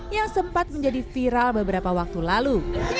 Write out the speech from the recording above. yang sempat menjadi viral beberapa waktu lalu